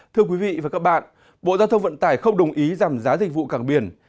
thưa quý vị và các bạn bộ giao thông vận tải không đồng ý giảm giá dịch vụ càng biển